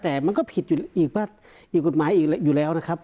แต่มันก็ผิดอยู่อีกกฎหมายอีกอยู่แล้วนะครับ